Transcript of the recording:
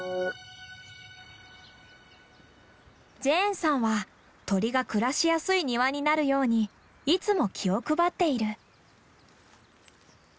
ジェーンさんは鳥が暮らしやすい庭になるようにいつも気を配っている。